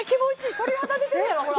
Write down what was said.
鳥肌出てるやろほら